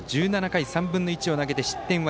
１７回３分の１を投げて失点は４。